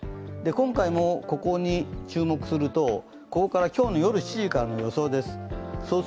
今回もここに注目すると、ここから今日夜７時からの予想です。